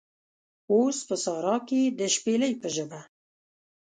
اوس په سارا کې د شپیلۍ په ژبه